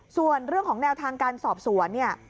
ส่วนเรื่องของแนวทางการสอบสวนเนี่ย